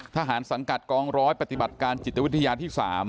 สังกัดกองร้อยปฏิบัติการจิตวิทยาที่๓